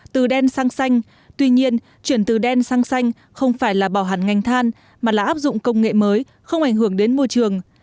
từ đen sang xanh tuy nhiên chuyển từ đen sang xanh không phải là bảo hẳn ngành than mà là áp dụng công nghệ mới không ảnh hưởng đến môi trường